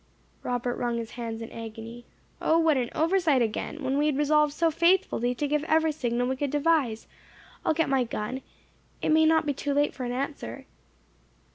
Robert wrung his hands in agony. "O, what an oversight again! when we had resolved so faithfully to give every signal we could devise. I'll get my gun! It may not be too late for an answer."